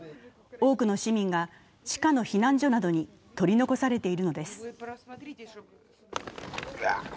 多くの市民が地下の避難所などに取り残されているのです。